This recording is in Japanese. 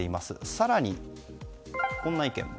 更にこんな意見も。